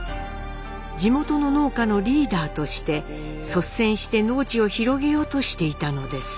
地元の農家のリーダーとして率先して農地を広げようとしていたのです。